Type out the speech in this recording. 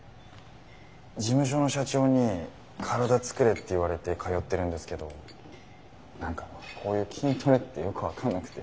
事務所の社長に身体作れって言われて通ってるんですけどなんかこういう筋トレってよく分かんなくて。